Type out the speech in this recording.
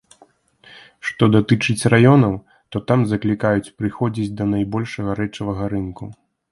Што датычыць раёнаў, то там заклікаюць прыходзіць да найбольшага рэчавага рынку.